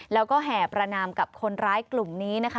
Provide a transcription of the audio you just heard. แล้วก็แห่ประนามกับคนร้ายกลุ่มนี้นะคะ